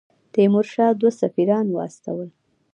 تیمورشاه دوه سفیران واستول.